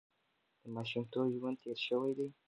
د ماشومتوب ژوند تېر شوی دی.